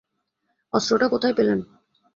অস্ত্রটা কোথায় পেলেন?